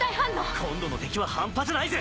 今度の敵は半端じゃないぜ！